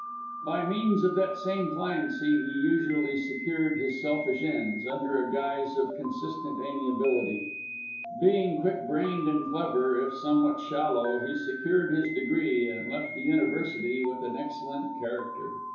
By means of that same pliancy he usually secured his selfish ends, under a guise of consistent amiability. Being quick brained and clever, if somewhat shallow, he secured his degree, and left the University with an excellent character.